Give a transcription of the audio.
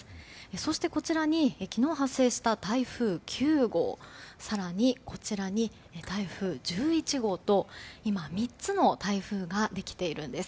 そして、こちらに昨日発生した台風９号更にこちらに台風１１号と今、３つの台風ができているんです。